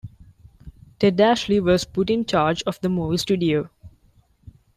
Ted Ashley was put in charge of the movie studio.